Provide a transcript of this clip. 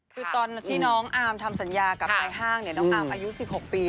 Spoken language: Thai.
คือตอนที่น้องอาร์มทำสัญญากับนายห้างเนี่ยน้องอาร์มอายุ๑๖ปี